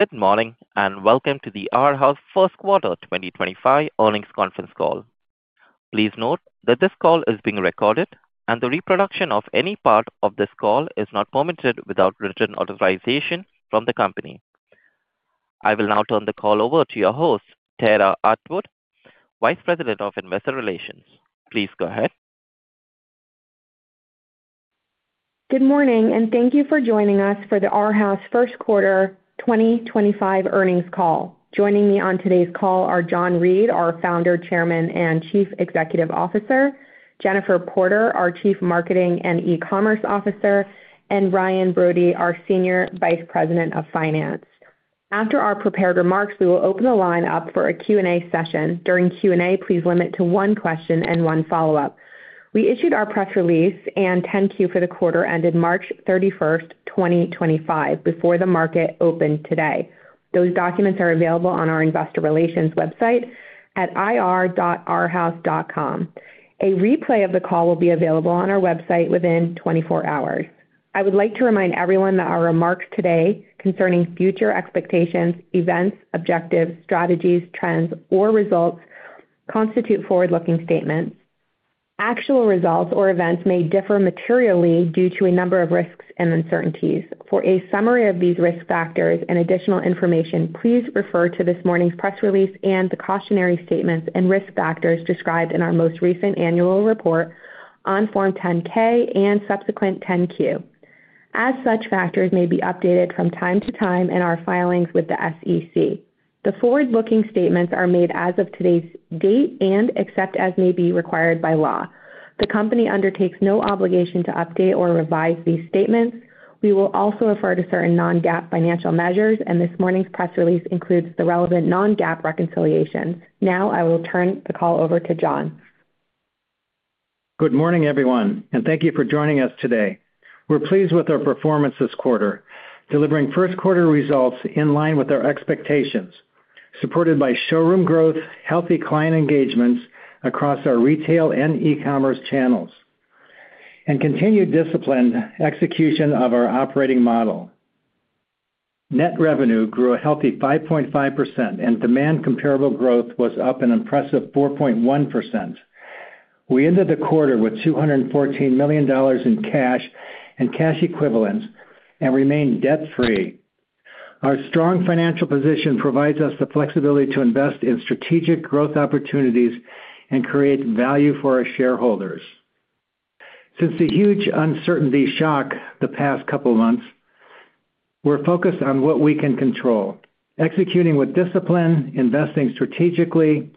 Good morning and welcome to the Arhaus first quarter 2025 earnings conference call. Please note that this call is being recorded, and the reproduction of any part of this call is not permitted without written authorization from the company. I will now turn the call over to your host, Tara Atwood, Vice President of Investor Relations. Please go ahead. Good morning, and thank you for joining us for the Arhaus first quarter 2025 earnings call. Joining me on today's call are John Reed, our Founder, Chairman, and Chief Executive Officer; Jennifer Porter, our Chief Marketing and E-commerce Officer; and Ryan Brody, our Senior Vice President of Finance. After our prepared remarks, we will open the line up for a Q&A session. During Q&A, please limit to one question and one follow-up. We issued our press release and 10-Q for the quarter ended March 31st, 2025, before the market opened today. Those documents are available on our investor relations website at ir.arhaus.com. A replay of the call will be available on our website within 24 hours. I would like to remind everyone that our remarks today concerning future expectations, events, objectives, strategies, trends, or results constitute forward-looking statements. Actual results or events may differ materially due to a number of risks and uncertainties. For a summary of these risk factors and additional information, please refer to this morning's press release and the cautionary statements and risk factors described in our most recent annual report on Form 10-K and subsequent 10-Q. As such, factors may be updated from time to time in our filings with the SEC. The forward-looking statements are made as of today's date and except as may be required by law, the company undertakes no obligation to update or revise these statements. We will also refer to certain non-GAAP financial measures, and this morning's press release includes the relevant non-GAAP reconciliations. Now, I will turn the call over to John. Good morning, everyone, and thank you for joining us today. We're pleased with our performance this quarter, delivering first-quarter results in line with our expectations, supported by showroom growth, healthy client engagements across our retail and e-commerce channels, and continued disciplined execution of our operating model. Net revenue grew a healthy 5.5%, and demand comparable growth was up an impressive 4.1%. We ended the quarter with $214 million in cash and cash equivalents and remained debt-free. Our strong financial position provides us the flexibility to invest in strategic growth opportunities and create value for our shareholders. Since the huge uncertainty shock the past couple of months, we're focused on what we can control, executing with discipline, investing strategically,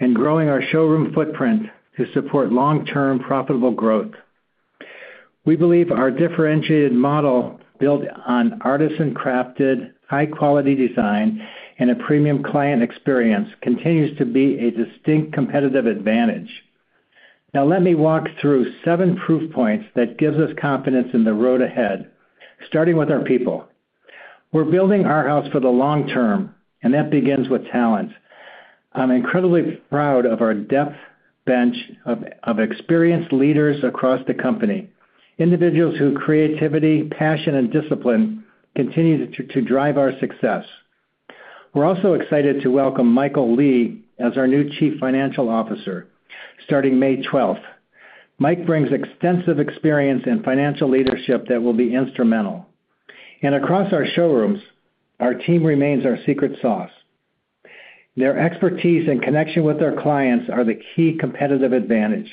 and growing our showroom footprint to support long-term profitable growth. We believe our differentiated model, built on artisan-crafted, high-quality design and a premium client experience, continues to be a distinct competitive advantage. Now, let me walk through seven proof points that give us confidence in the road ahead, starting with our people. We're building Arhaus for the long term, and that begins with talent. I'm incredibly proud of our depth bench of experienced leaders across the company, individuals whose creativity, passion, and discipline continue to drive our success. We're also excited to welcome Michael Lee as our new Chief Financial Officer starting May 12th. Mike brings extensive experience in financial leadership that will be instrumental. Across our showrooms, our team remains our secret sauce. Their expertise and connection with our clients are the key competitive advantage,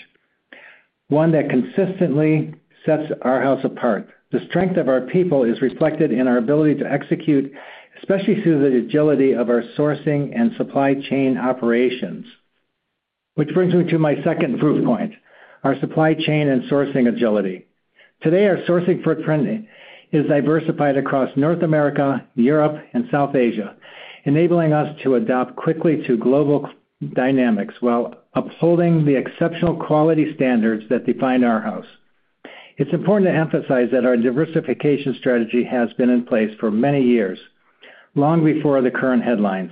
one that consistently sets Arhaus apart. The strength of our people is reflected in our ability to execute, especially through the agility of our sourcing and supply chain operations, which brings me to my second proof point, our supply chain and sourcing agility. Today, our sourcing footprint is diversified across North America, Europe, and South Asia, enabling us to adapt quickly to global dynamics while upholding the exceptional quality standards that define Arhaus. It's important to emphasize that our diversification strategy has been in place for many years, long before the current headlines,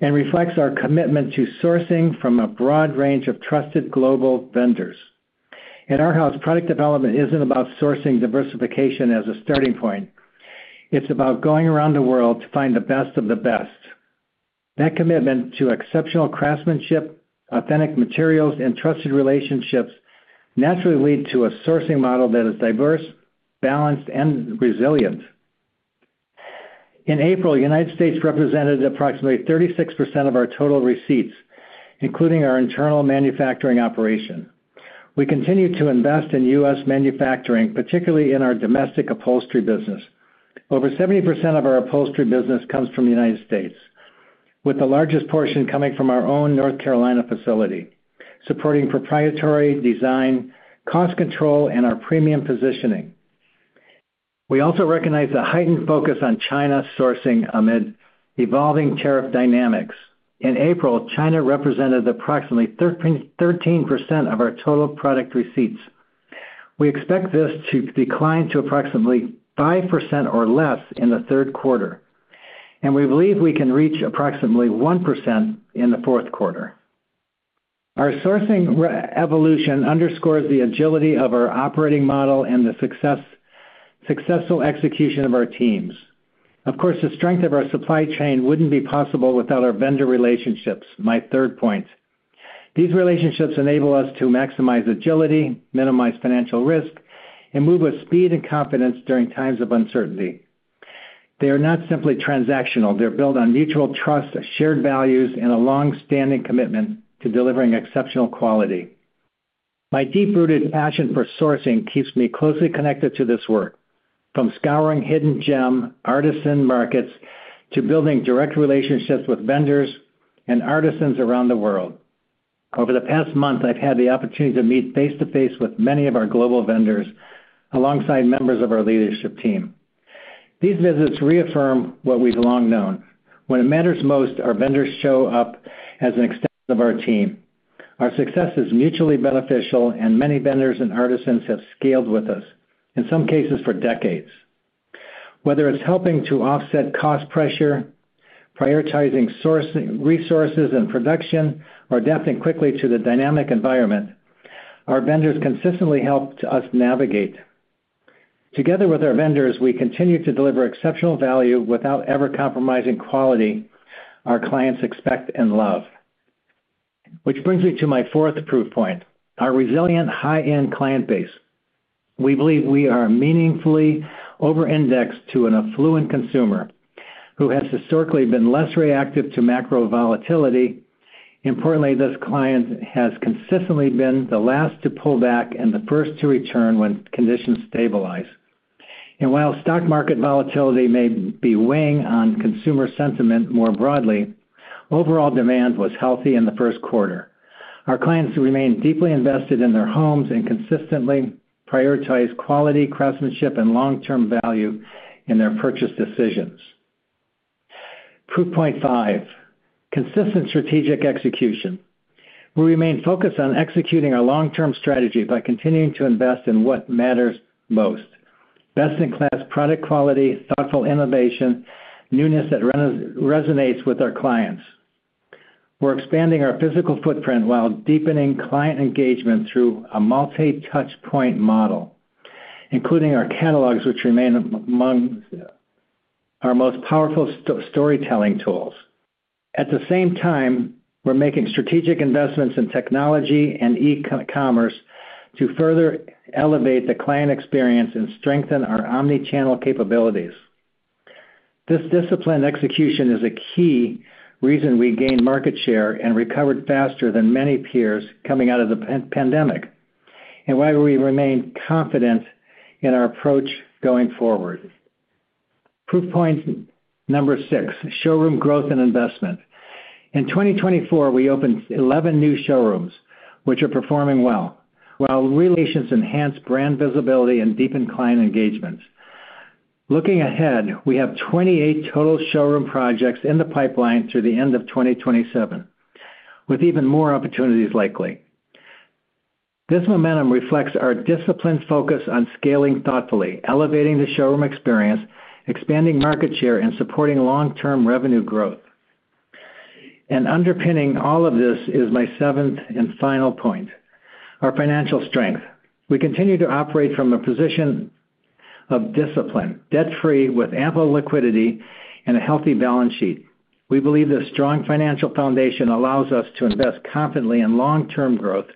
and reflects our commitment to sourcing from a broad range of trusted global vendors. At Arhaus, product development isn't about sourcing diversification as a starting point. It's about going around the world to find the best of the best. That commitment to exceptional craftsmanship, authentic materials, and trusted relationships naturally leads to a sourcing model that is diverse, balanced, and resilient. In April, the United States represented approximately 36% of our total receipts, including our internal manufacturing operation. We continue to invest in U.S. manufacturing, particularly in our domestic upholstery business. Over 70% of our upholstery business comes from the United States, with the largest portion coming from our own North Carolina facility, supporting proprietary design, cost control, and our premium positioning. We also recognize the heightened focus on China sourcing amid evolving tariff dynamics. In April, China represented approximately 13% of our total product receipts. We expect this to decline to approximately 5% or less in the third quarter, and we believe we can reach approximately 1% in the fourth quarter. Our sourcing evolution underscores the agility of our operating model and the successful execution of our teams. Of course, the strength of our supply chain would not be possible without our vendor relationships, my third point. These relationships enable us to maximize agility, minimize financial risk, and move with speed and confidence during times of uncertainty. They are not simply transactional. They're built on mutual trust, shared values, and a long-standing commitment to delivering exceptional quality. My deep-rooted passion for sourcing keeps me closely connected to this work, from scouring hidden gem artisan markets to building direct relationships with vendors and artisans around the world. Over the past month, I've had the opportunity to meet face-to-face with many of our global vendors alongside members of our leadership team. These visits reaffirm what we've long known. When it matters most, our vendors show up as an extension of our team. Our success is mutually beneficial, and many vendors and artisans have scaled with us, in some cases for decades. Whether it's helping to offset cost pressure, prioritizing resources and production, or adapting quickly to the dynamic environment, our vendors consistently help us navigate. Together with our vendors, we continue to deliver exceptional value without ever compromising quality our clients expect and love, which brings me to my fourth proof point, our resilient high-end client base. We believe we are meaningfully over-indexed to an affluent consumer who has historically been less reactive to macro volatility. Importantly, this client has consistently been the last to pull back and the first to return when conditions stabilize. While stock market volatility may be weighing on consumer sentiment more broadly, overall demand was healthy in the first quarter. Our clients remain deeply invested in their homes and consistently prioritize quality, craftsmanship, and long-term value in their purchase decisions. Proof point five, consistent strategic execution. We remain focused on executing our long-term strategy by continuing to invest in what matters most: best-in-class product quality, thoughtful innovation, newness that resonates with our clients. We're expanding our physical footprint while deepening client engagement through a multi-touchpoint model, including our catalogs, which remain among our most powerful storytelling tools. At the same time, we're making strategic investments in technology and e-commerce to further elevate the client experience and strengthen our omnichannel capabilities. This disciplined execution is a key reason we gained market share and recovered faster than many peers coming out of the pandemic, and why we remain confident in our approach going forward. Proof point number six, showroom growth and investment. In 2024, we opened 11 new showrooms, which are performing well, while relocations enhanced brand visibility and deepened client engagements. Looking ahead, we have 28 total showroom projects in the pipeline through the end of 2027, with even more opportunities likely. This momentum reflects our disciplined focus on scaling thoughtfully, elevating the showroom experience, expanding market share, and supporting long-term revenue growth. Underpinning all of this is my seventh and final point, our financial strength. We continue to operate from a position of discipline, debt-free, with ample liquidity and a healthy balance sheet. We believe this strong financial foundation allows us to invest confidently in long-term growth,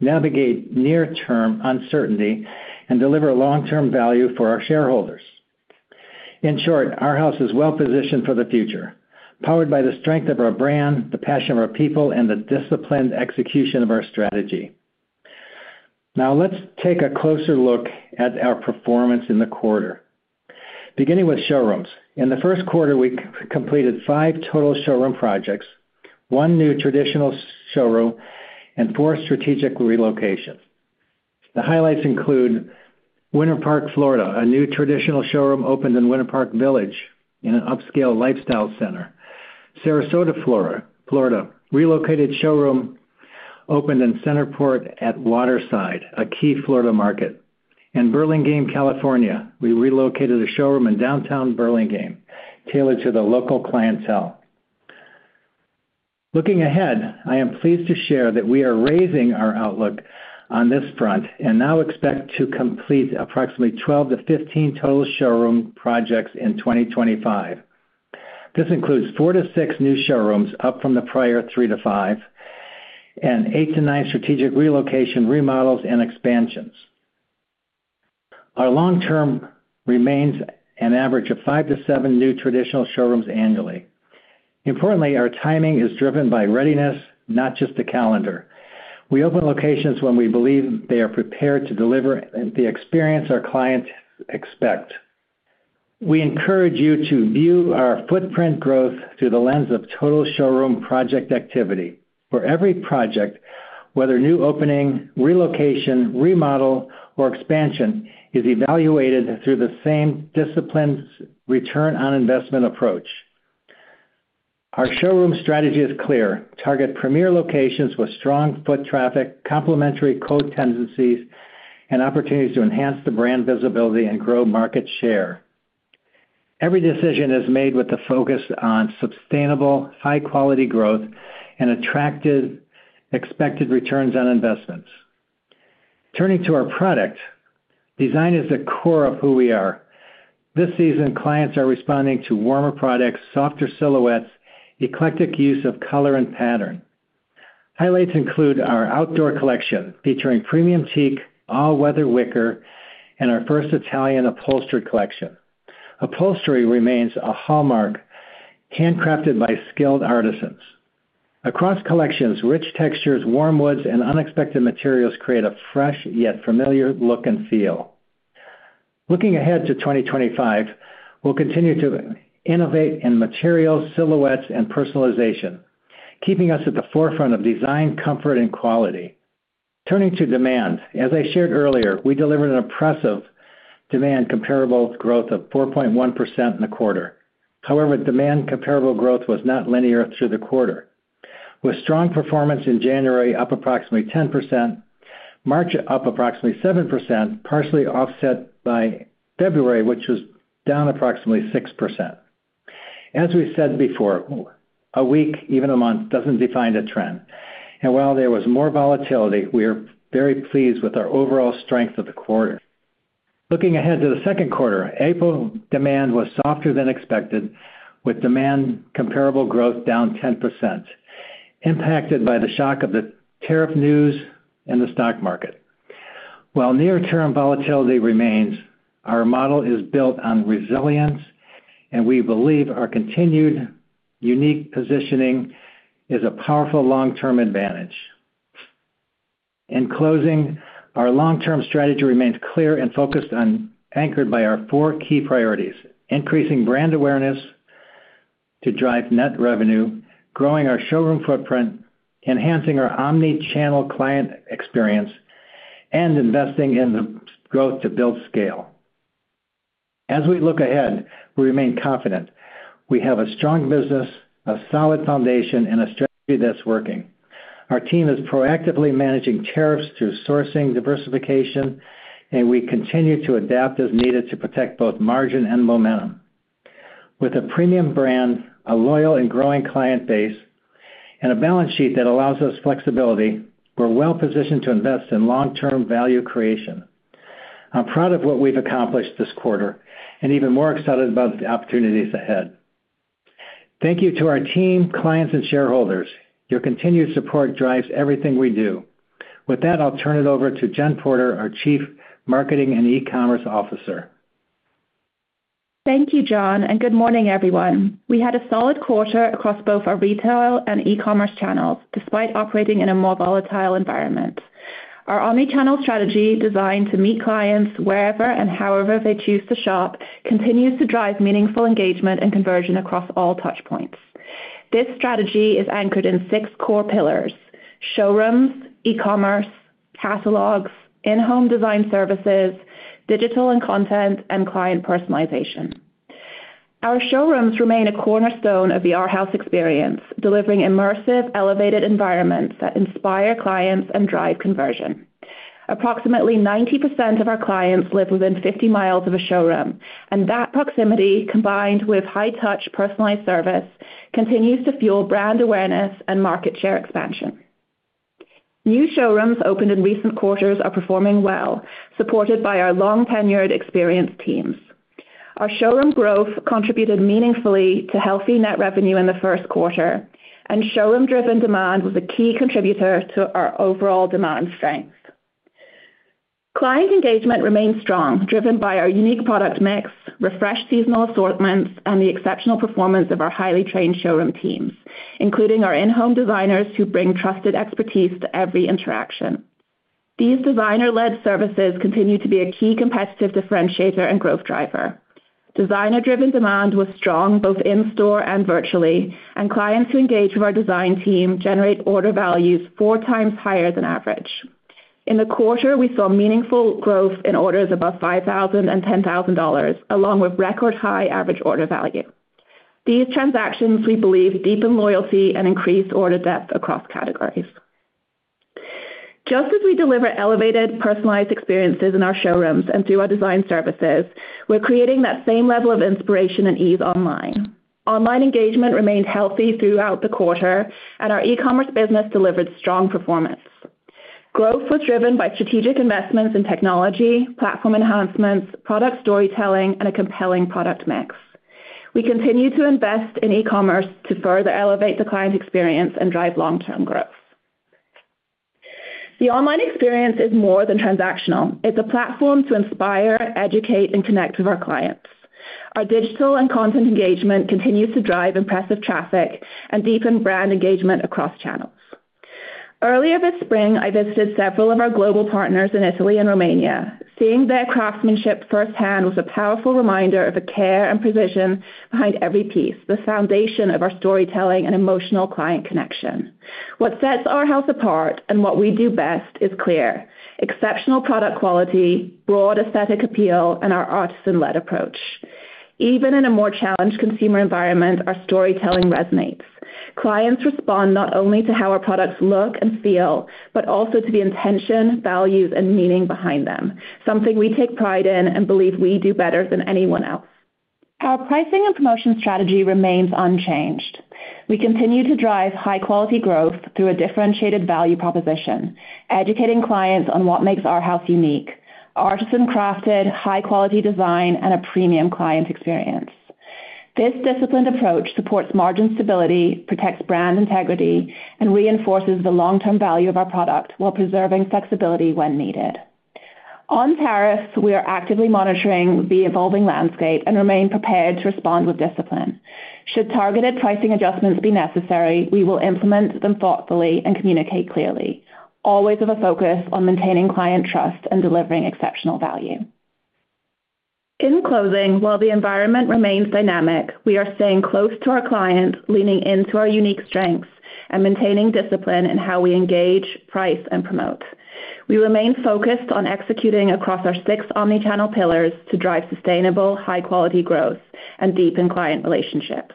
navigate near-term uncertainty, and deliver long-term value for our shareholders. In short, Arhaus is well-positioned for the future, powered by the strength of our brand, the passion of our people, and the disciplined execution of our strategy. Now, let's take a closer look at our performance in the quarter, beginning with showrooms. In the first quarter, we completed five total showroom projects, one new traditional showroom, and four strategic relocations. The highlights include Winter Park, Florida, a new traditional showroom opened in Winter Park Village in an upscale lifestyle center. Sarasota, Florida, relocated showroom opened in Centerport at Waterside, a key Florida market. In Burlingame, California, we relocated a showroom in downtown Burlingame tailored to the local clientele. Looking ahead, I am pleased to share that we are raising our outlook on this front and now expect to complete approximately 12-15 total showroom projects in 2025. This includes four to six new showrooms, up from the prior three to five, and eight to nine strategic relocation, remodels, and expansions. Our long-term remains an average of five to seven new traditional showrooms annually. Importantly, our timing is driven by readiness, not just the calendar. We open locations when we believe they are prepared to deliver the experience our clients expect. We encourage you to view our footprint growth through the lens of total showroom project activity. For every project, whether new opening, relocation, remodel, or expansion, is evaluated through the same disciplined return on investment approach. Our showroom strategy is clear: target premier locations with strong foot traffic, complementary code tendencies, and opportunities to enhance the brand visibility and grow market share. Every decision is made with the focus on sustainable, high-quality growth and attractive expected returns on investments. Turning to our product, design is the core of who we are. This season, clients are responding to warmer products, softer silhouettes, eclectic use of color and pattern. Highlights include our Outdoor Collection featuring premium teak, all-weather wicker, and our first Italian Upholstery Collection. Upholstery remains a hallmark handcrafted by skilled artisans. Across collections, rich textures, warm woods, and unexpected materials create a fresh yet familiar look and feel. Looking ahead to 2025, we'll continue to innovate in materials, silhouettes, and personalization, keeping us at the forefront of design, comfort, and quality. Turning to demand, as I shared earlier, we delivered an impressive demand comparable growth of 4.1% in the quarter. However, demand comparable growth was not linear through the quarter, with strong performance in January, up approximately 10%, March up approximately 7%, partially offset by February, which was down approximately 6%. As we said before, a week, even a month, does not define a trend. While there was more volatility, we are very pleased with our overall strength of the quarter. Looking ahead to the second quarter, April demand was softer than expected, with demand comparable growth down 10%, impacted by the shock of the tariff news and the stock market. While near-term volatility remains, our model is built on resilience, and we believe our continued unique positioning is a powerful long-term advantage. In closing, our long-term strategy remains clear and focused and anchored by our four key priorities: increasing brand awareness to drive net revenue, growing our showroom footprint, enhancing our omnichannel client experience, and investing in the growth to build scale. As we look ahead, we remain confident. We have a strong business, a solid foundation, and a strategy that's working. Our team is proactively managing tariffs through sourcing diversification, and we continue to adapt as needed to protect both margin and momentum. With a premium brand, a loyal and growing client base, and a balance sheet that allows us flexibility, we're well-positioned to invest in long-term value creation. I'm proud of what we've accomplished this quarter and even more excited about the opportunities ahead. Thank you to our team, clients, and shareholders. Your continued support drives everything we do. With that, I'll turn it over to Jen Porter, our Chief Marketing and E-commerce Officer. Thank you, John, and good morning, everyone. We had a solid quarter across both our retail and e-commerce channels, despite operating in a more volatile environment. Our omnichannel strategy, designed to meet clients wherever and however they choose to shop, continues to drive meaningful engagement and conversion across all touchpoints. This strategy is anchored in six core pillars: showrooms, e-commerce, catalogs, in-home design services, digital and content, and client personalization. Our showrooms remain a cornerstone of the Arhaus experience, delivering immersive, elevated environments that inspire clients and drive conversion. Approximately 90% of our clients live within 50 mi of a showroom, and that proximity, combined with high-touch personalized service, continues to fuel brand awareness and market share expansion. New showrooms opened in recent quarters are performing well, supported by our long-tenured experience teams. Our showroom growth contributed meaningfully to healthy net revenue in the first quarter, and showroom-driven demand was a key contributor to our overall demand strength. Client engagement remains strong, driven by our unique product mix, refreshed seasonal assortments, and the exceptional performance of our highly trained showroom teams, including our in-home designers who bring trusted expertise to every interaction. These designer-led services continue to be a key competitive differentiator and growth driver. Designer-driven demand was strong both in-store and virtually, and clients who engage with our design team generate order values four times higher than average. In the quarter, we saw meaningful growth in orders above $5,000 and $10,000, along with record-high average order value. These transactions, we believe, deepened loyalty and increased order depth across categories. Just as we deliver elevated personalized experiences in our showrooms and through our design services, we're creating that same level of inspiration and ease online. Online engagement remained healthy throughout the quarter, and our e-commerce business delivered strong performance. Growth was driven by strategic investments in technology, platform enhancements, product storytelling, and a compelling product mix. We continue to invest in e-commerce to further elevate the client experience and drive long-term growth. The online experience is more than transactional. It's a platform to inspire, educate, and connect with our clients. Our digital and content engagement continues to drive impressive traffic and deepen brand engagement across channels. Earlier this spring, I visited several of our global partners in Italy and Romania. Seeing their craftsmanship firsthand was a powerful reminder of the care and precision behind every piece, the foundation of our storytelling and emotional client connection. What sets Arhaus apart and what we do best is clear: exceptional product quality, broad aesthetic appeal, and our artisan-led approach. Even in a more challenged consumer environment, our storytelling resonates. Clients respond not only to how our products look and feel, but also to the intention, values, and meaning behind them, something we take pride in and believe we do better than anyone else. Our pricing and promotion strategy remains unchanged. We continue to drive high-quality growth through a differentiated value proposition, educating clients on what makes Arhaus unique: artisan-crafted, high-quality design, and a premium client experience. This disciplined approach supports margin stability, protects brand integrity, and reinforces the long-term value of our product while preserving flexibility when needed. On tariffs, we are actively monitoring the evolving landscape and remain prepared to respond with discipline. Should targeted pricing adjustments be necessary, we will implement them thoughtfully and communicate clearly, always with a focus on maintaining client trust and delivering exceptional value. In closing, while the environment remains dynamic, we are staying close to our clients, leaning into our unique strengths, and maintaining discipline in how we engage, price, and promote. We remain focused on executing across our six omnichannel pillars to drive sustainable, high-quality growth and deepen client relationships.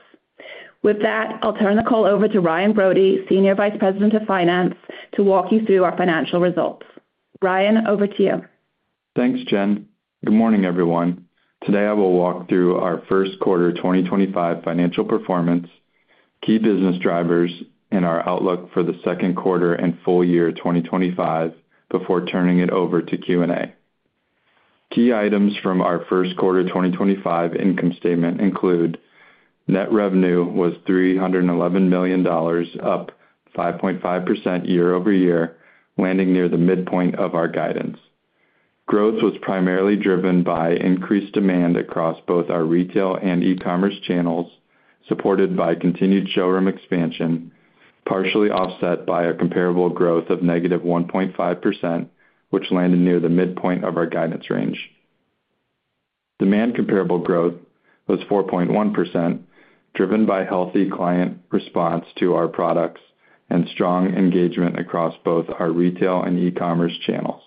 With that, I'll turn the call over to Ryan Brody, Senior Vice President of Finance, to walk you through our financial results. Ryan, over to you. Thanks, Jen. Good morning, everyone. Today, I will walk through our first quarter 2025 financial performance, key business drivers, and our outlook for the second quarter and full year 2025 before turning it over to Q&A. Key items from our first quarter 2025 income statement include: net revenue was $311 million, up 5.5% year-over- year, landing near the midpoint of our guidance. Growth was primarily driven by increased demand across both our retail and e-commerce channels, supported by continued showroom expansion, partially offset by a comparable growth of -1.5%, which landed near the midpoint of our guidance range. Demand comparable growth was 4.1%, driven by healthy client response to our products and strong engagement across both our retail and e-commerce channels.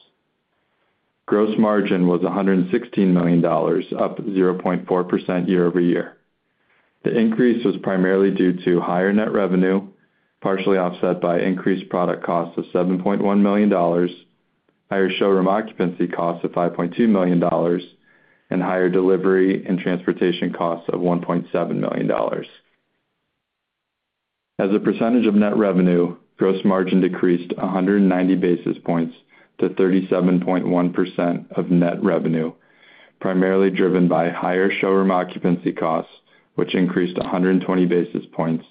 Gross margin was $116 million, up 0.4% year-over-year. The increase was primarily due to higher net revenue, partially offset by increased product costs of $7.1 million, higher showroom occupancy costs of $5.2 million, and higher delivery and transportation costs of $1.7 million. As a percentage of net revenue, gross margin decreased 190 basis points to 37.1% of net revenue, primarily driven by higher showroom occupancy costs, which increased 120 basis points,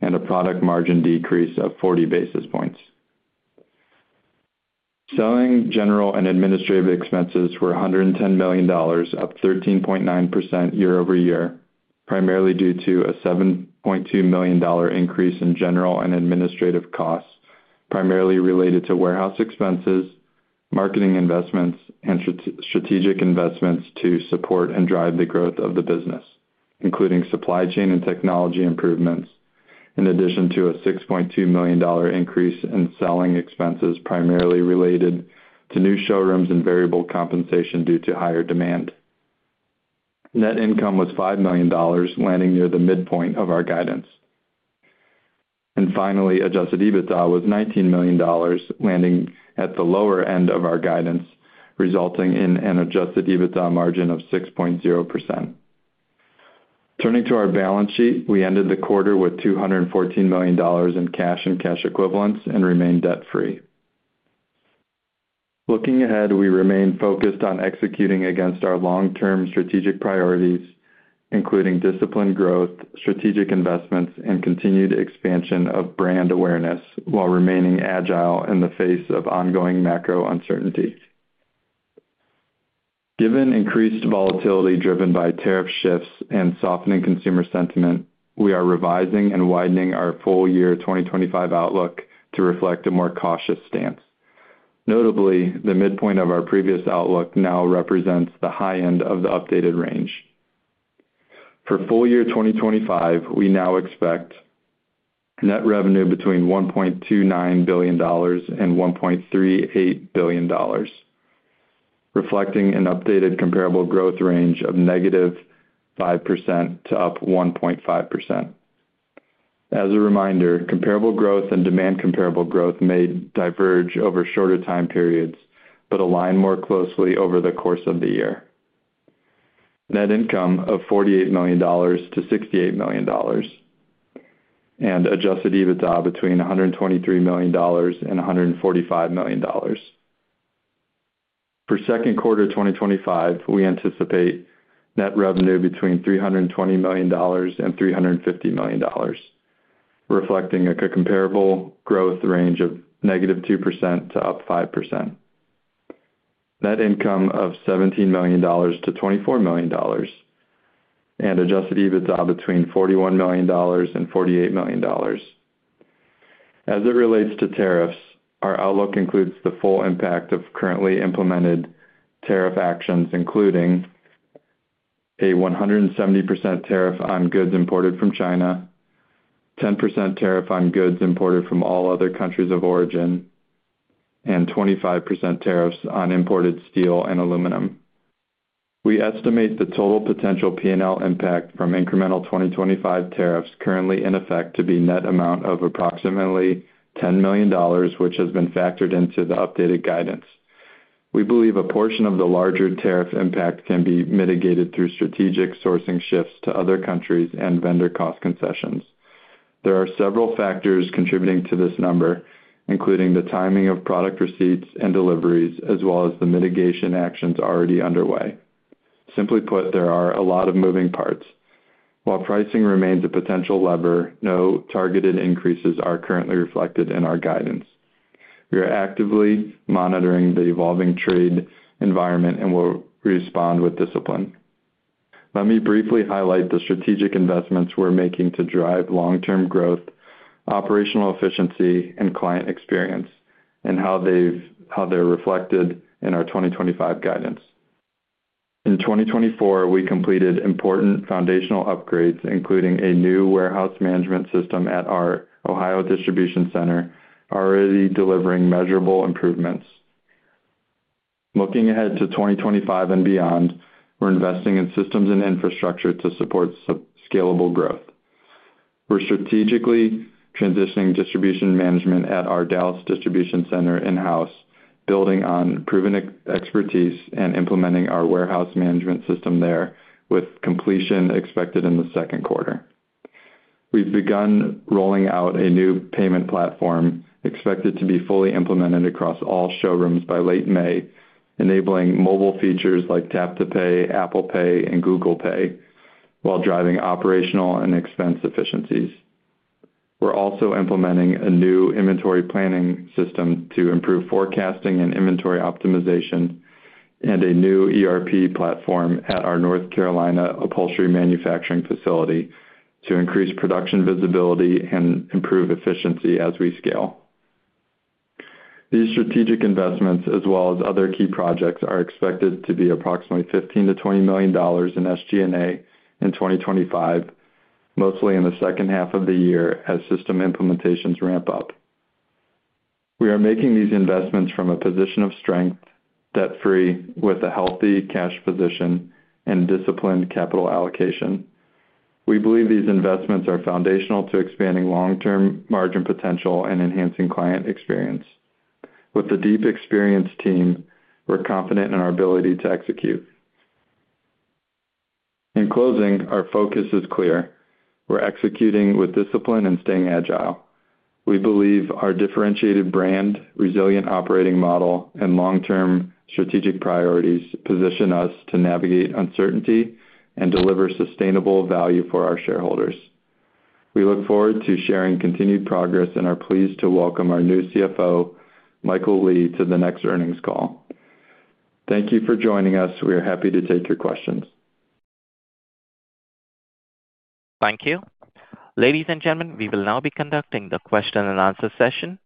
and a product margin decrease of 40 basis points. Selling, general, and administrative expenses were $110 million, up 13.9% year-over-year, primarily due to a $7.2 million increase in general and administrative costs, primarily related to warehouse expenses, marketing investments, and strategic investments to support and drive the growth of the business, including supply chain and technology improvements, in addition to a $6.2 million increase in selling expenses primarily related to new showrooms and variable compensation due to higher demand. Net income was $5 million, landing near the midpoint of our guidance. Finally, adjusted EBITDA was $19 million, landing at the lower end of our guidance, resulting in an adjusted EBITDA margin of 6.0%. Turning to our balance sheet, we ended the quarter with $214 million in cash and cash equivalents and remained debt-free. Looking ahead, we remain focused on executing against our long-term strategic priorities, including disciplined growth, strategic investments, and continued expansion of brand awareness, while remaining agile in the face of ongoing macro uncertainty. Given increased volatility driven by tariff shifts and softening consumer sentiment, we are revising and widening our full year 2025 outlook to reflect a more cautious stance. Notably, the midpoint of our previous outlook now represents the high end of the updated range. For full year 2025, we now expect net revenue between $1.29 billion and $1.38 billion, reflecting an updated comparable growth range of -5% to 1.5%. As a reminder, comparable growth and demand comparable growth may diverge over shorter time periods but align more closely over the course of the year. Net income of $48 million-$68 million and adjusted EBITDA between $123 million-$145 million. For second quarter 2025, we anticipate net revenue between $320 million-$350 million, reflecting a comparable growth range of -2% to 5%. Net income of $17 million-$24 million and adjusted EBITDA between $41 million-$48 million. As it relates to tariffs, our outlook includes the full impact of currently implemented tariff actions, including a 170% tariff on goods imported from China, 10% tariff on goods imported from all other countries of origin, and 25% tariffs on imported steel and aluminum. We estimate the total potential P&L impact from incremental 2025 tariffs currently in effect to be net amount of approximately $10 million, which has been factored into the updated guidance. We believe a portion of the larger tariff impact can be mitigated through strategic sourcing shifts to other countries and vendor cost concessions. There are several factors contributing to this number, including the timing of product receipts and deliveries, as well as the mitigation actions already underway. Simply put, there are a lot of moving parts. While pricing remains a potential lever, no targeted increases are currently reflected in our guidance. We are actively monitoring the evolving trade environment and will respond with discipline. Let me briefly highlight the strategic investments we're making to drive long-term growth, operational efficiency, and client experience, and how they're reflected in our 2025 guidance. In 2024, we completed important foundational upgrades, including a new warehouse management system at our Ohio Distribution Center, already delivering measurable improvements. Looking ahead to 2025 and beyond, we're investing in systems and infrastructure to support scalable growth. We're strategically transitioning distribution management at our Dallas Distribution Center in-house, building on proven expertise and implementing our warehouse management system there, with completion expected in the second quarter. We've begun rolling out a new payment platform, expected to be fully implemented across all showrooms by late May, enabling mobile features like Tap to Pay, Apple Pay, and Google Pay, while driving operational and expense efficiencies. We're also implementing a new inventory planning system to improve forecasting and inventory optimization, and a new ERP platform at our North Carolina upholstery manufacturing facility to increase production visibility and improve efficiency as we scale. These strategic investments, as well as other key projects, are expected to be approximately $15-$20 million in SG&A in 2025, mostly in the second half of the year as system implementations ramp up. We are making these investments from a position of strength, debt-free, with a healthy cash position and disciplined capital allocation. We believe these investments are foundational to expanding long-term margin potential and enhancing client experience. With the deep experience team, we're confident in our ability to execute. In closing, our focus is clear. We're executing with discipline and staying agile. We believe our differentiated brand, resilient operating model, and long-term strategic priorities position us to navigate uncertainty and deliver sustainable value for our shareholders. We look forward to sharing continued progress and are pleased to welcome our new CFO, Michael Lee, to the next earnings call. Thank you for joining us. We are happy to take your questions. Thank you. Ladies and gentlemen, we will now be conducting the Q&A session.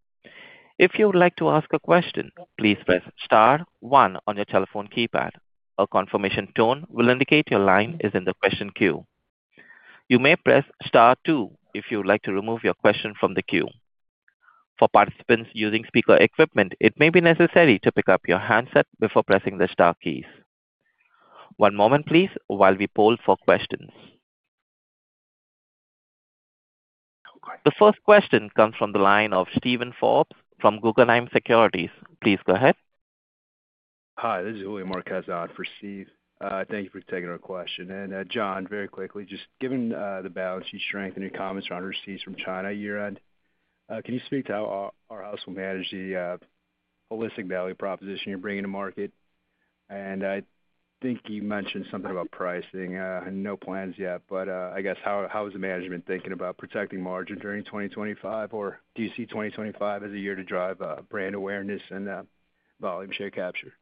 If you would like to ask a question, please press star one on your telephone keypad. A confirmation tone will indicate your line is in the question queue. You may press star two if you would like to remove your question from the queue. For participants using speaker equipment, it may be necessary to pick up your handset before pressing the star keys. One moment, please, while we poll for questions. The first question comes from the line of Steven Forbes from Guggenheim Securities. Please go ahead. Hi, this is Julio Marquez for Steve. Thank you for taking our question. John, very quickly, just given the balance sheet strength and your comments around receipts from China year-end, can you speak to how Arhaus will manage the holistic value proposition you're bringing to market? I think you mentioned something about pricing. No plans yet, but I guess how is the management thinking about protecting margin during 2025? Or do you see 2025 as a year to drive brand awareness and volume share capture?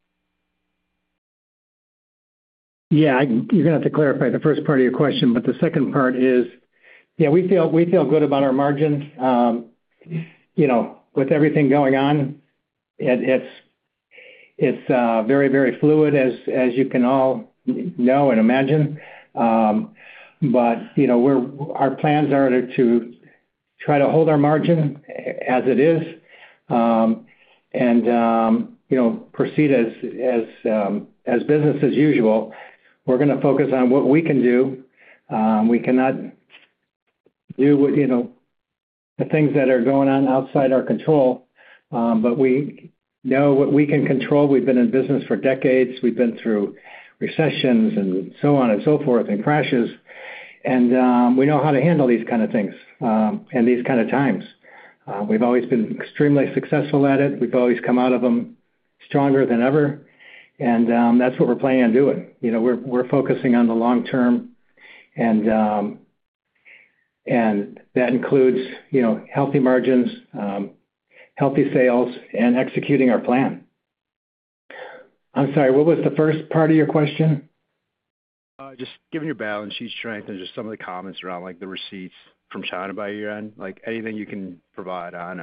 Yeah, you're going to have to clarify the first part of your question, but the second part is, yeah, we feel good about our margin. With everything going on, it's very, very fluid, as you can all know and imagine. Our plans are to try to hold our margin as it is and proceed as business as usual. We're going to focus on what we can do. We cannot do the things that are going on outside our control, but we know what we can control. We've been in business for decades. We've been through recessions and so on and so forth and crashes. We know how to handle these kinds of things and these kinds of times. We've always been extremely successful at it. We've always come out of them stronger than ever. That is what we're planning on doing. We're focusing on the long term, and that includes healthy margins, healthy sales, and executing our plan. I'm sorry, what was the first part of your question? Just given your balance sheet strength and just some of the comments around the receipts from China by year-end, anything you can provide on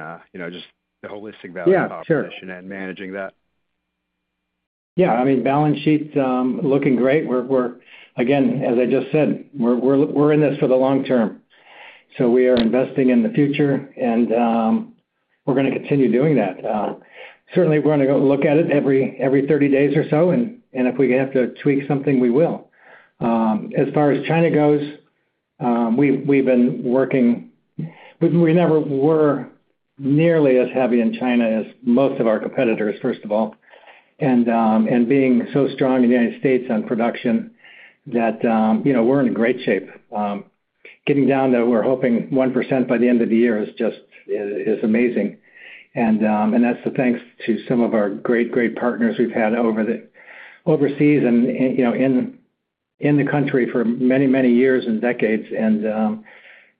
just the holistic value proposition and managing that? Yeah, I mean, balance sheet looking great. Again, as I just said, we're in this for the long term. We are investing in the future, and we're going to continue doing that. Certainly, we're going to look at it every 30 days or so, and if we have to tweak something, we will. As far as China goes, we've been working. We never were nearly as heavy in China as most of our competitors, first of all, and being so strong in the United States on production that we're in great shape. Getting down to, we're hoping 1% by the end of the year is amazing. That's thanks to some of our great, great partners we've had overseas and in the country for many, many years and decades.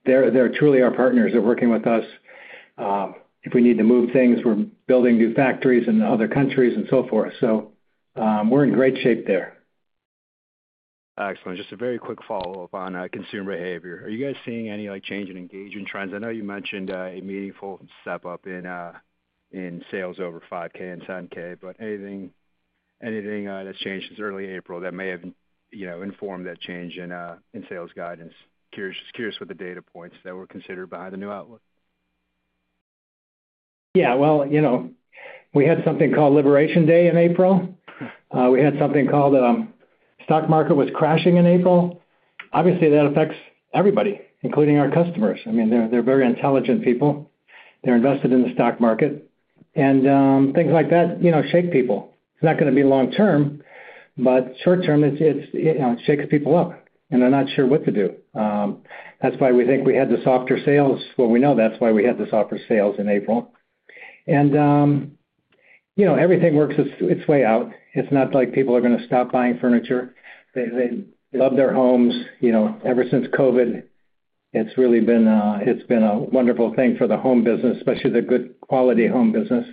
They're truly our partners that are working with us. If we need to move things, we're building new factories in other countries and so forth. We're in great shape there. Excellent. Just a very quick follow-up on consumer behavior. Are you guys seeing any change in engagement trends? I know you mentioned a meaningful step up in sales over $5,000 and $10,000, but anything that's changed since early April that may have informed that change in sales guidance? Curious with the data points that were considered behind the new outlook. Yeah, we had something called Liberation Day in April. We had something called the stock market was crashing in April. Obviously, that affects everybody, including our customers. I mean, they're very intelligent people. They're invested in the stock market. Things like that shake people. It's not going to be long term, but short term, it shakes people up, and they're not sure what to do. That's why we think we had the softer sales. We know that's why we had the softer sales in April. Everything works its way out. It's not like people are going to stop buying furniture. They love their homes. Ever since COVID, it's really been a wonderful thing for the home business, especially the good quality home business.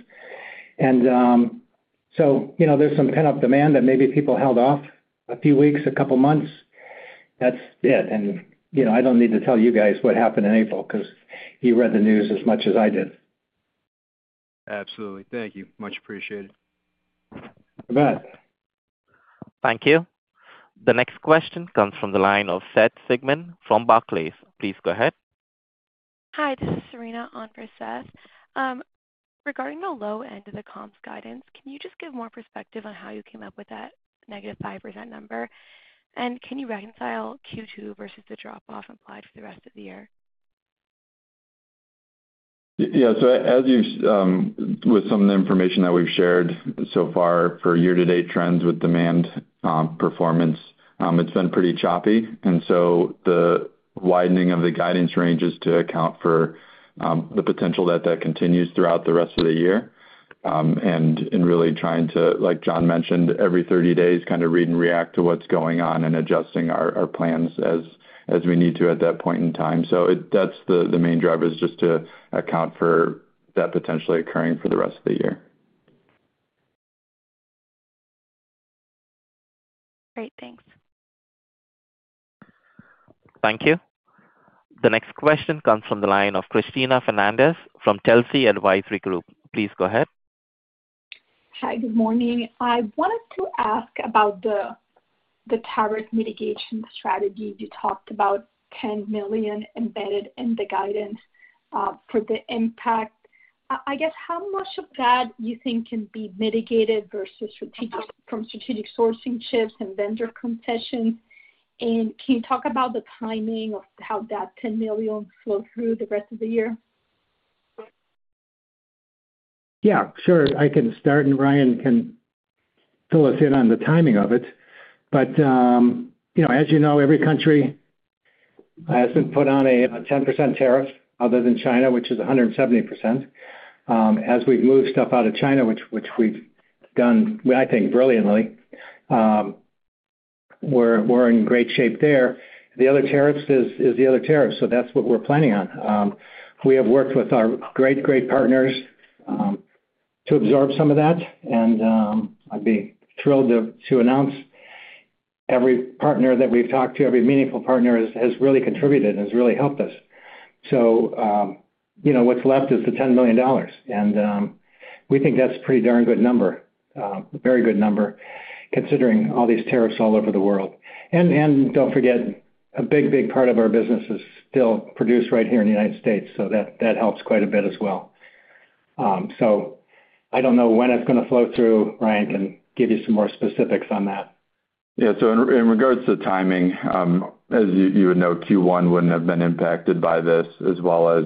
And so there's some pent-up demand that maybe people held off a few weeks, a couple of months. That's it. I don't need to tell you guys what happened in April because you read the news as much as I did. Absolutely. Thank you. Much appreciated. You bet. Thank you. The next question comes from the line of Seth Sigman from Barclays. Please go ahead. Hi, this is Serena on for Seth. Regarding the low end of the comms guidance, can you just give more perspective on how you came up with that negative 5% number? Can you reconcile Q2 versus the drop-off implied for the rest of the year? Yeah, as you've seen with some of the information that we've shared so far for year-to-date trends with demand performance, it's been pretty choppy. The widening of the guidance ranges is to account for the potential that that continues throughout the rest of the year. Really trying to, like John mentioned, every 30 days, kind of read and react to what's going on and adjusting our plans as we need to at that point in time. That's the main driver, just to account for that potentially occurring for the rest of the year. Great. Thanks. Thank you. The next question comes from the line of Cristina Fernandez from Telsey Advisory Group. Please go ahead. Hi, good morning. I wanted to ask about the tariff mitigation strategy. You talked about $10 million embedded in the guidance for the impact. I guess how much of that you think can be mitigated from strategic sourcing shifts and vendor concessions? And can you talk about the timing of how that $10 million flows through the rest of the year? Yeah, sure. I can start, and Ryan can fill us in on the timing of it. But as you know, every country has been put on a 10% tariff other than China, which is 170%. As we've moved stuff out of China, which we've done, I think, brilliantly, we're in great shape there. The other tariffs is the other tariffs. That is what we're planning on. We have worked with our great, great partners to absorb some of that. I'd be thrilled to announce every partner that we've talked to, every meaningful partner has really contributed and has really helped us. What's left is the $10 million. We think that's a pretty darn good number, a very good number, considering all these tariffs all over the world. Do not forget, a big, big part of our business is still produced right here in the United States. That helps quite a bit as well. I do not know when it's going to flow through. Ryan can give you some more specifics on that. Yeah, in regards to timing, as you would know, Q1 would not have been impacted by this, as well as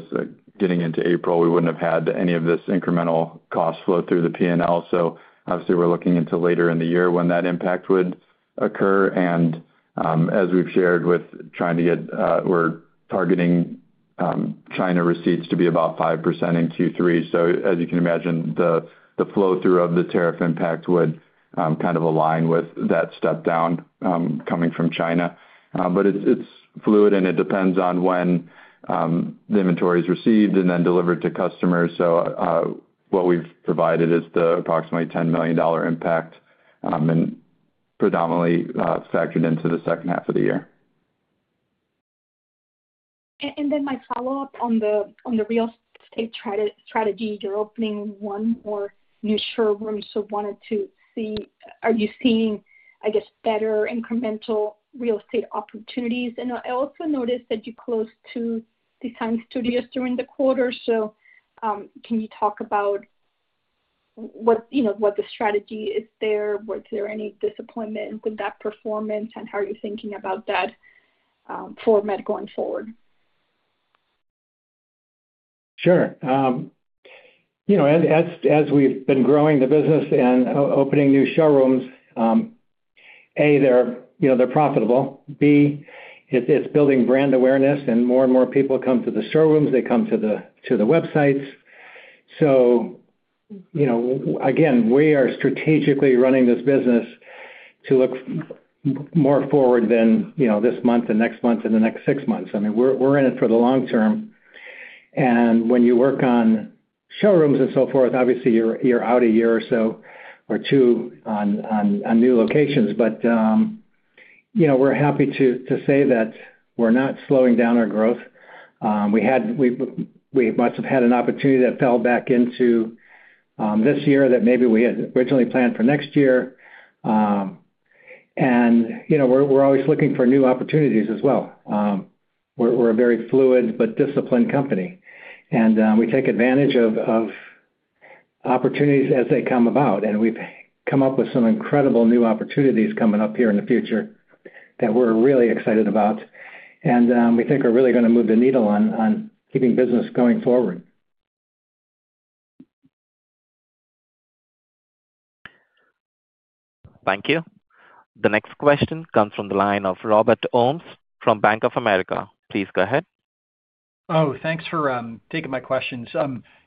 getting into April. We would not have had any of this incremental cost flow through the P&L. Obviously, we are looking into later in the year when that impact would occur. As we have shared, we are targeting China receipts to be about 5% in Q3. As you can imagine, the flow through of the tariff impact would kind of align with that step down coming from China. It is fluid, and it depends on when the inventory is received and then delivered to customers. What we have provided is the approximately $10 million impact and predominantly factored into the second half of the year. My follow-up on the real estate strategy, you are opening one more new showroom. I wanted to see, are you seeing, I guess, better incremental real estate opportunities? I also noticed that you closed two design studios during the quarter. Can you talk about what the strategy is there? Was there any disappointment with that performance? How are you thinking about that format going forward? Sure. As we have been growing the business and opening new showrooms, A, they are profitable. B, it's building brand awareness, and more and more people come to the showrooms. They come to the websites. Again, we are strategically running this business to look more forward than this month and next month and the next six months. I mean, we're in it for the long term. When you work on showrooms and so forth, obviously, you're out a year or so or two on new locations. We're happy to say that we're not slowing down our growth. We must have had an opportunity that fell back into this year that maybe we had originally planned for next year. We're always looking for new opportunities as well. We're a very fluid but disciplined company. We take advantage of opportunities as they come about. We have come up with some incredible new opportunities coming up here in the future that we are really excited about and we think are really going to move the needle on keeping business going forward. Thank you. The next question comes from the line of Robert Ohmes from Bank of America. Please go ahead. Oh, thanks for taking my questions.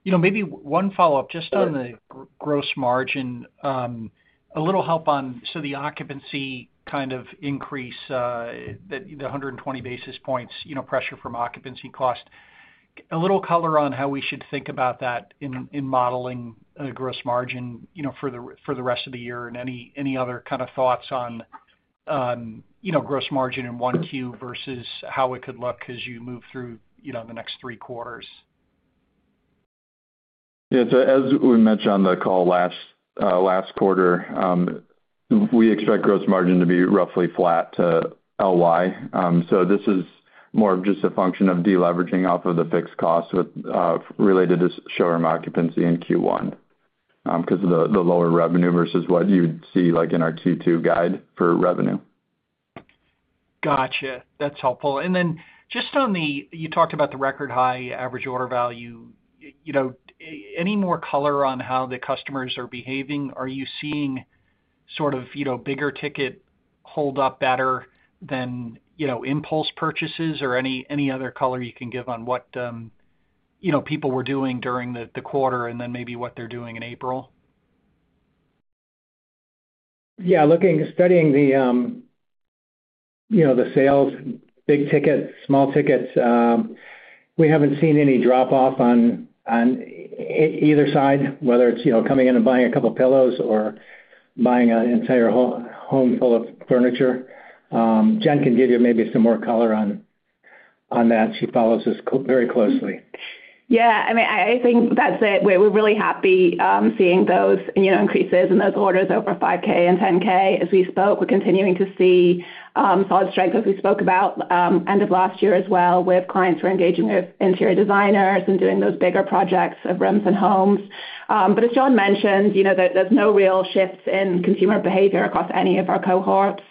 Maybe one follow-up just on the gross margin, a little help on the occupancy kind of increase, the 120 basis points pressure from occupancy cost, a little color on how we should think about that in modeling a gross margin for the rest of the year and any other kind of thoughts on gross margin in Q1 versus how it could look as you move through the next three quarters. Yeah, as we mentioned on the call last quarter, we expect gross margin to be roughly flat to last year. This is more of just a function of deleveraging off of the fixed cost related to showroom occupancy in Q1 because of the lower revenue versus what you'd see in our Q2 guide for revenue. Gotcha. That's helpful. Then just on the, you talked about the record high average order value. Any more color on how the customers are behaving? Are you seeing sort of bigger ticket hold up better than impulse purchases or any other color you can give on what people were doing during the quarter and then maybe what they're doing in April? Yeah, looking, studying the sales, big tickets, small tickets. We have not seen any drop-off on either side, whether it is coming in and buying a couple of pillows or buying an entire home full of furniture. Jen can give you maybe some more color on that. She follows us very closely. Yeah. I mean, I think that is it. We are really happy seeing those increases in those orders over $5,000 and $10,000. As we spoke, we are continuing to see solid strength as we spoke about end of last year as well with clients who are engaging with interior designers and doing those bigger projects of rooms and homes. As John mentioned, there are no real shifts in consumer behavior across any of our cohorts.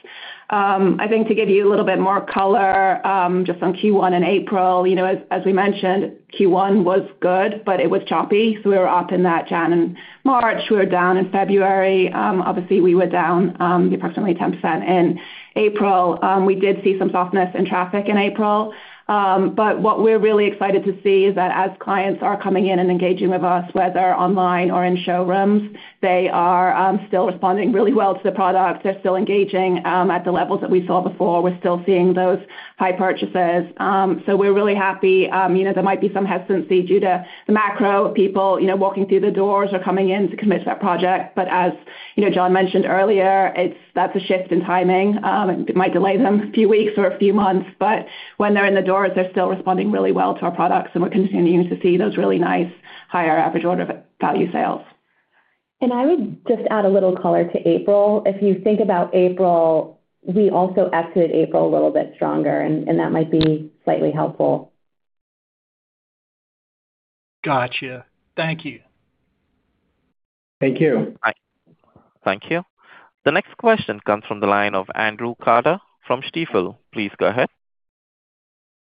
I think to give you a little bit more color, just on Q1 in April, as we mentioned, Q1 was good, but it was choppy. We were up in that, January, in March. We were down in February. Obviously, we were down approximately 10% in April. We did see some softness in traffic in April. What we are really excited to see is that as clients are coming in and engaging with us, whether online or in showrooms, they are still responding really well to the product. They are still engaging at the levels that we saw before. We are still seeing those high purchases. We are really happy. There might be some hesitancy due to the macro of people walking through the doors or coming in to commit to that project. As John mentioned earlier, that is a shift in timing. It might delay them a few weeks or a few months. When they are in the doors, they are still responding really well to our products. We are continuing to see those really nice higher average order value sales. I would just add a little color to April. If you think about April, we also exited April a little bit stronger, and that might be slightly helpful. Gotcha. Thank you. Thank you. Thank you. The next question comes from the line of Andrew Carter from Stifel. Please go ahead.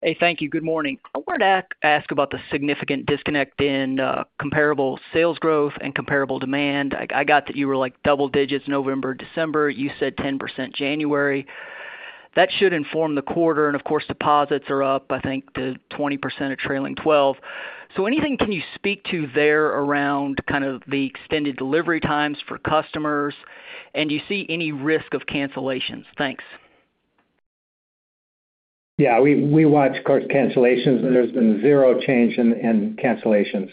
Hey, thank you. Good morning. I wanted to ask about the significant disconnect in comparable sales growth and comparable demand. I got that you were like double digits November, December. You said 10% January. That should inform the quarter. And of course, deposits are up. I think the 20% are trailing 12. So anything can you speak to there around kind of the extended delivery times for customers? And do you see any risk of cancellations? Thanks. Yeah, we watch cancellations, and there's been zero change in cancellations.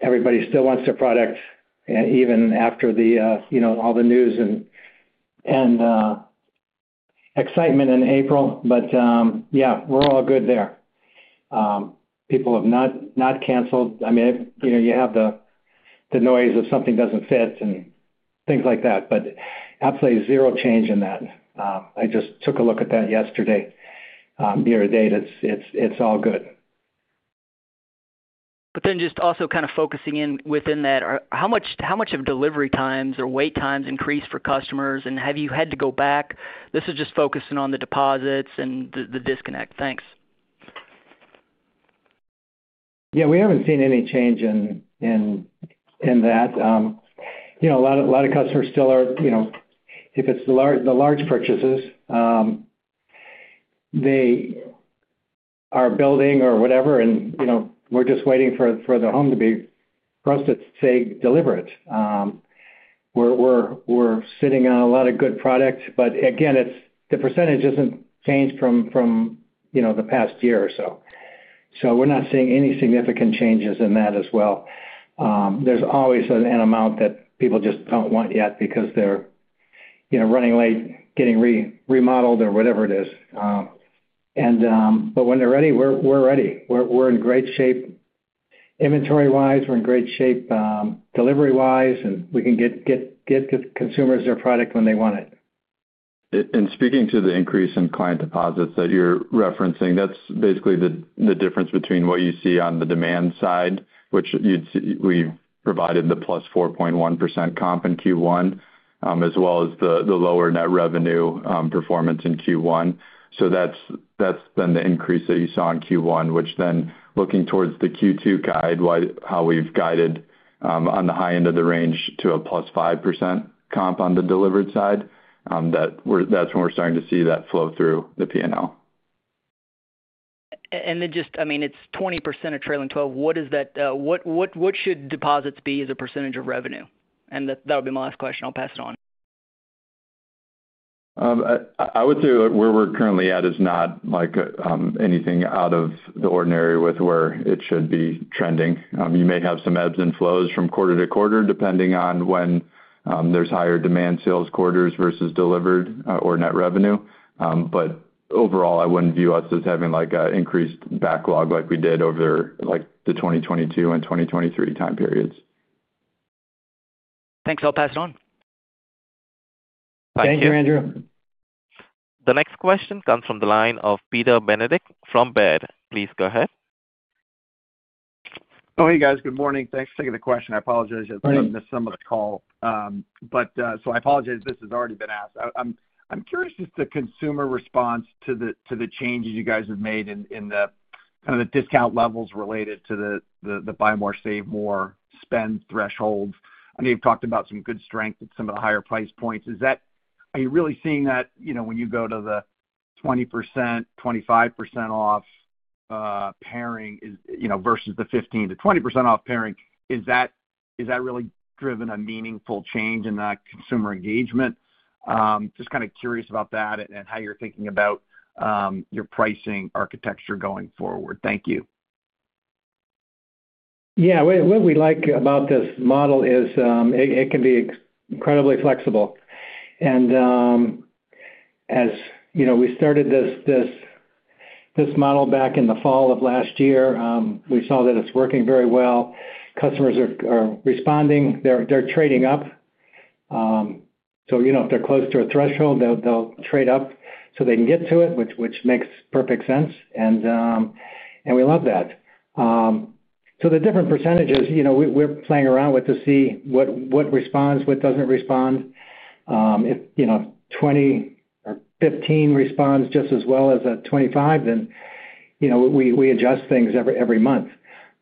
Everybody still wants their products, and even after all the news and excitement in April. Yeah, we're all good there. People have not canceled. I mean, you have the noise of something doesn't fit and things like that, but absolutely zero change in that. I just took a look at that yesterday, year to date. It's all good. Also, just kind of focusing in within that, how much of delivery times or wait times increased for customers? Have you had to go back? This is just focusing on the deposits and the disconnect. Thanks. Yeah, we haven't seen any change in that. A lot of customers still are, if it's the large purchases, they are building or whatever, and we're just waiting for the home to be for us to, say, deliver it. We're sitting on a lot of good product. Again, the percentage has not changed from the past year or so. We are not seeing any significant changes in that as well. There is always an amount that people just do not want yet because they are running late, getting remodeled or whatever it is. When they are ready, we are ready. We are in great shape. Inventory-wise, we are in great shape delivery-wise, and we can get consumers their product when they want it. Speaking to the increase in client deposits that you are referencing, that is basically the difference between what you see on the demand side, which we provided the +4.1% comp in Q1, as well as the lower net revenue performance in Q1. That's been the increase that you saw in Q1, which then looking towards the Q2 guide, how we've guided on the high end of the range to a +5% comp on the delivered side, that's when we're starting to see that flow through the P&L. And then just, I mean, it's 20% are trailing 12. What should deposits be as a percentage of revenue? That would be my last question. I'll pass it on. I would say where we're currently at is not anything out of the ordinary with where it should be trending. You may have some ebbs and flows from quarter to quarter depending on when there's higher demand sales quarters versus delivered or net revenue. Overall, I wouldn't view us as having an increased backlog like we did over the 2022 and 2023 time periods. Thanks. I'll pass it on. Thank you, Andrew. The next question comes from the line of Peter Benedict from Baird. Please go ahead. Oh, hey, guys. Good morning. Thanks for taking the question. I apologize if I missed some of the call. I apologize if this has already been asked. I'm curious just the consumer response to the changes you guys have made in the kind of the discount levels related to the buy more, save more, spend thresholds. I know you've talked about some good strength at some of the higher price points. Are you really seeing that when you go to the 20%-25% off pairing versus the 15%-20% off pairing? Has that really driven a meaningful change in that consumer engagement? Just kind of curious about that and how you're thinking about your pricing architecture going forward. Thank you. Yeah. What we like about this model is it can be incredibly flexible. As we started this model back in the fall of last year, we saw that it's working very well. Customers are responding. They're trading up. If they're close to a threshold, they'll trade up so they can get to it, which makes perfect sense. We love that. The different percentages, we're playing around with to see what responds, what doesn't respond. If 20% or 15% responds just as well as a 25%, then we adjust things every month.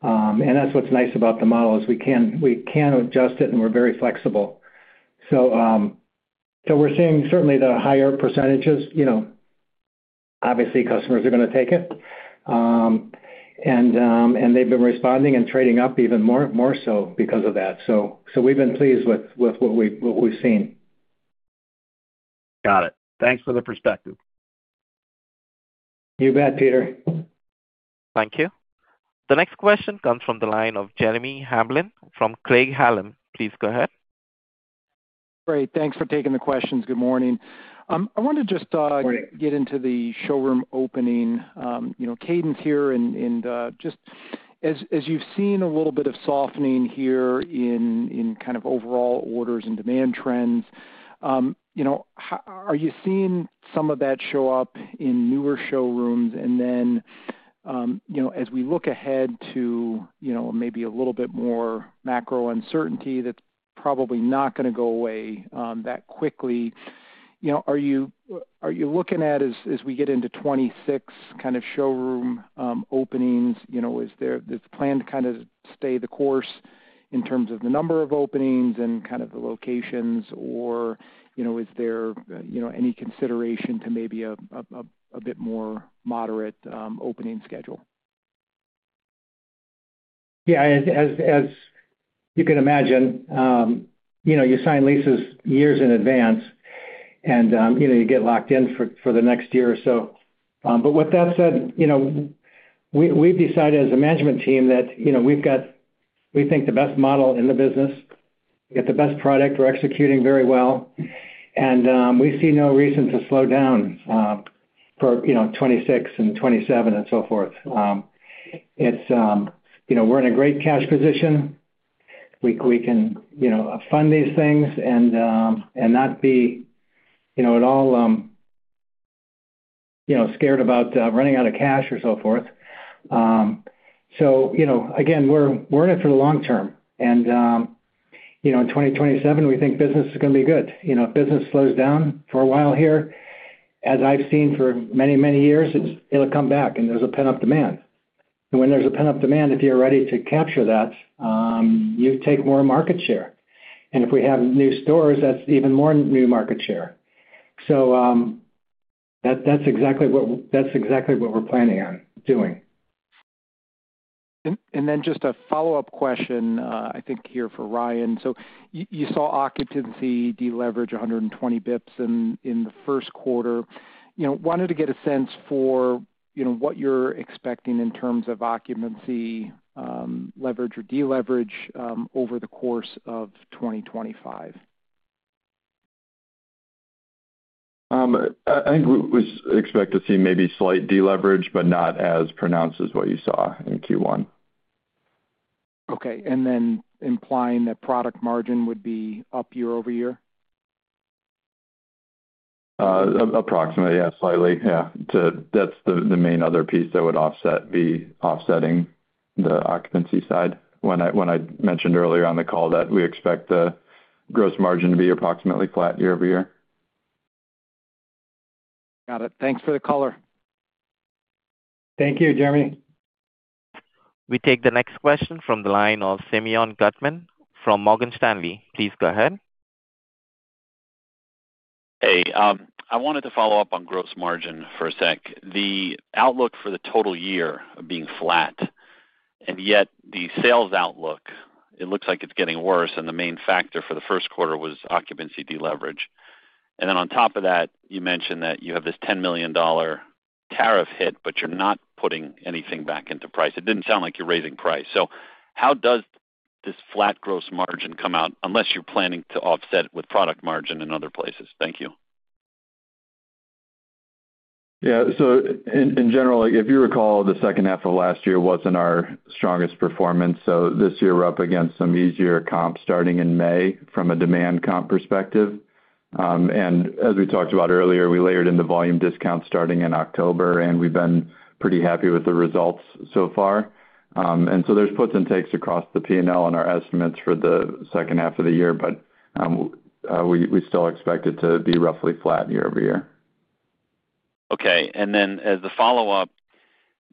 That's what's nice about the model. We can adjust it, and we're very flexible. We're seeing certainly the higher percentages. Obviously, customers are going to take it. They've been responding and trading up even more so because of that. We've been pleased with what we've seen. Got it. Thanks for the perspective. You bet, Peter. Thank you. The next question comes from the line of Jeremy Hamblin from Craig-Hallum. Please go ahead. Great. Thanks for taking the questions. Good morning. I wanted to just get into the showroom opening cadence here and just as you've seen a little bit of softening here in kind of overall orders and demand trends, are you seeing some of that show up in newer showrooms? And then as we look ahead to maybe a little bit more macro uncertainty that's probably not going to go away that quickly, are you looking at as we get into 2026 kind of showroom openings, is there this plan to kind of stay the course in terms of the number of openings and kind of the locations, or is there any consideration to maybe a bit more moderate opening schedule? Yeah. As you can imagine, you sign leases years in advance, and you get locked in for the next year or so. With that said, we've decided as a management team that we've got, we think, the best model in the business, we've got the best product, we're executing very well. We see no reason to slow down for 2026 and 2027 and so forth. We're in a great cash position. We can fund these things and not be at all scared about running out of cash or so forth. Again, we're in it for the long term. In 2027, we think business is going to be good. If business slows down for a while here, as I've seen for many, many years, it'll come back, and there's a pent-up demand. When there is a pent-up demand, if you are ready to capture that, you take more market share. If we have new stores, that is even more new market share. That is exactly what we are planning on doing. Just a follow-up question, I think, here for Ryan. You saw occupancy deleverage of 120 basis points in the first quarter. Wanted to get a sense for what you are expecting in terms of occupancy leverage or deleverage over the course of 2025. I think we expect to see maybe slight deleverage, but not as pronounced as what you saw in Q1. Okay. Implying that product margin would be up year-over-year? Approximately, yeah, slightly. Yeah. That is the main other piece that would offset the occupancy side. When I mentioned earlier on the call that we expect the gross margin to be approximately flat year-over-year. Got it. Thanks for the color. Thank you, Jeremy. We take the next question from the line of Simeon Gutman from Morgan Stanley. Please go ahead. Hey. I wanted to follow up on gross margin for a sec. The outlook for the total year of being flat, and yet the sales outlook, it looks like it's getting worse. The main factor for the first quarter was occupancy deleverage. On top of that, you mentioned that you have this $10 million tariff hit, but you're not putting anything back into price. It didn't sound like you're raising price. How does this flat gross margin come out unless you're planning to offset with product margin in other places? Thank you. Yeah. In general, if you recall, the second half of last year wasn't our strongest performance. This year, we're up against some easier comps starting in May from a demand comp perspective. As we talked about earlier, we layered in the volume discount starting in October, and we've been pretty happy with the results so far. There are puts and takes across the P&L and our estimates for the second half of the year, but we still expect it to be roughly flat year-over-year. Okay. As the follow-up,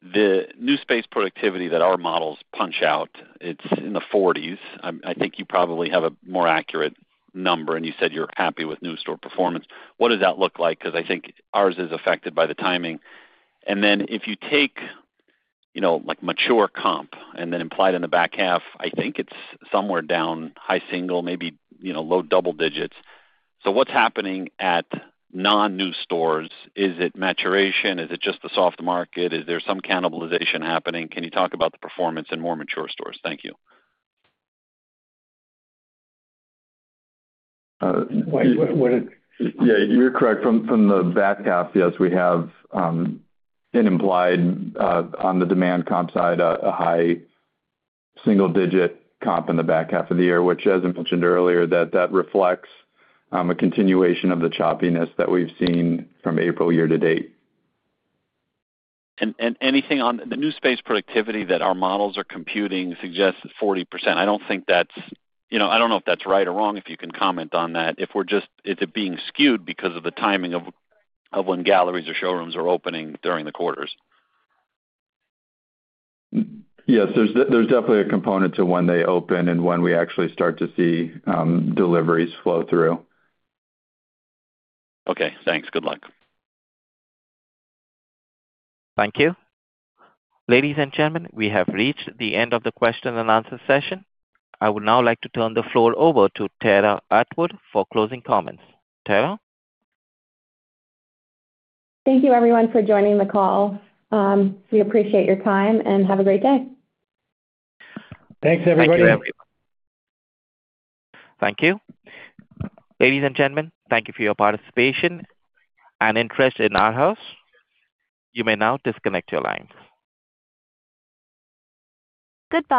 the new space productivity that our models punch out, it's in the 40s. I think you probably have a more accurate number, and you said you're happy with new store performance. What does that look like? I think ours is affected by the timing. If you take mature comp and then imply it in the back half, I think it's somewhere down high single, maybe low double digits. What's happening at non-new stores? Is it maturation? Is it just the soft market? Is there some cannibalization happening? Can you talk about the performance in more mature stores? Thank you. Yeah, you're correct. From the back half, yes, we have an implied on the demand comp side, a high single-digit comp in the back half of the year, which, as I mentioned earlier, that reflects a continuation of the choppiness that we've seen from April year to date. Anything on the new space productivity that our models are computing suggests 40%. I don't think that's, I don't know if that's right or wrong, if you can comment on that. Is it being skewed because of the timing of when galleries or showrooms are opening during the quarters? Yes. There's definitely a component to when they open and when we actually start to see deliveries flow through. Okay. Thanks. Good luck. Thank you. Ladies and gentlemen, we have reached the end of the question and answer session. I would now like to turn the floor over to Tara Atwood for closing comments. Tara? Thank you, everyone, for joining the call. We appreciate your time and have a great day. Thanks, everybody. Thank you, everyone. Thank you. Ladies and gentlemen, thank you for your participation and interest in Arhaus. You may now disconnect your lines. Good.